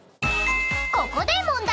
［ここで問題。